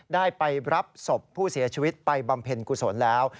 ได้ไปรับศพผู้เสียชีวิตไปบำเพ็ญกุศลแล้ว